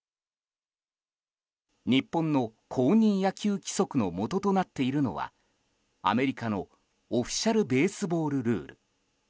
日本の公認野球規則のもととなっているのはアメリカの、オフィシャル・ベースボール・ルール。